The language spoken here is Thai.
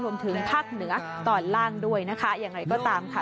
รวมถึงภาคเหนือตอนล่างด้วยนะคะอย่างไรก็ตามค่ะ